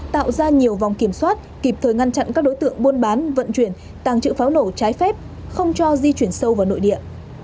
tạo ra nhiều vòng kiểm soát kịp thời ngăn chặn các đối tượng buôn bán vận chuyển tàng trữ pháo nổ trái phép không cho di chuyển sâu vào nội địa